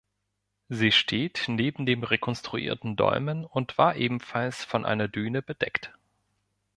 Sie steht neben dem rekonstruierten Dolmen und war ebenfalls von einer Düne bedeckt.